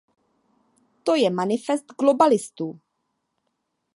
To je manifest globalistů.